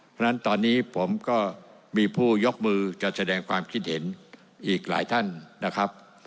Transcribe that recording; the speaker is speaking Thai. เพราะฉะนั้นตอนนี้ผมก็มีผู้ยกมือจะแสดงความคิดเห็นอีกหลายท่านนะครับ